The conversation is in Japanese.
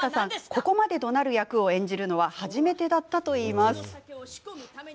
ここまでどなる役を演じるのは初めてだったといいます。